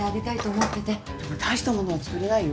でも大した物は作れないよ。